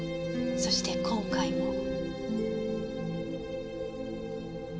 そして今回も。